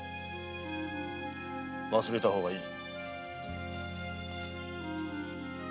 忘れた方がいい。